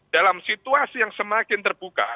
dalam situasi yang semakin terbuka